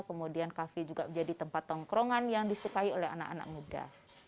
kemudian kafe juga menjadi tempat tongkrongan yang disukai oleh anak anak muda